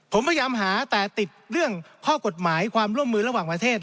ผมพยายามหาแต่ติดเรื่องข้อกฎหมายความร่วมมือระหว่างประเทศ